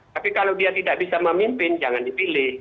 tapi kalau dia tidak bisa memimpin jangan dipilih